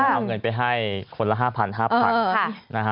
เอาเงินไปให้คนละ๕๐๐๕๐๐